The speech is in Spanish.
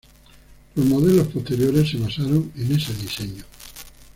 Los modelos posteriores se basaron en ese diseño.